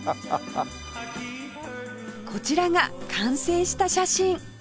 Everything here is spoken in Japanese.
こちらが完成した写真